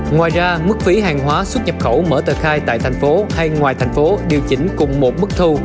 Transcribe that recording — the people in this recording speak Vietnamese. ngoài ra mức phí hàng hóa xuất nhập khẩu mở tờ khai tại thành phố hay ngoài thành phố điều chỉnh cùng một mức thu